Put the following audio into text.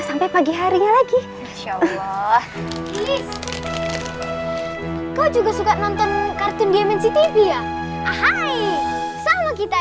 sampai pagi harinya lagi insyaallah kau juga suka nonton kartun di mnctv ya hai sama kita